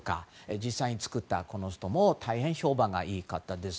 実際に作った人も大変に評判がいい方です。